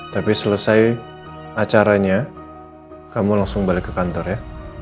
tapi selesai acaranya kamu langsung balik ke kantor ya